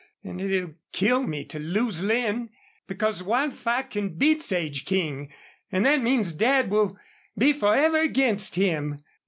And it'll kill me to lose Lin. Because Wildfire can beat Sage King, and that means Dad will be forever against him."